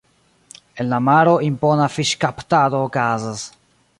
En la maro impona fiŝkaptado okazas.